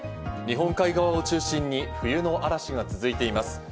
日本海側を中心に冬の嵐が続いています。